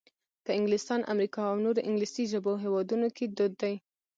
په انګلستان، امریکا او نورو انګلیسي ژبو هېوادونو کې دود دی.